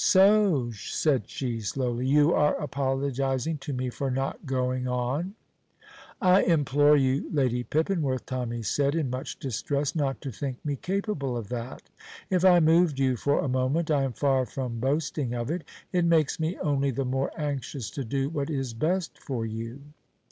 "So," said she slowly, "you are apologizing to me for not going on?" "I implore you, Lady Pippinworth," Tommy said, in much distress, "not to think me capable of that. If I moved you for a moment, I am far from boasting of it; it makes me only the more anxious to do what is best for you."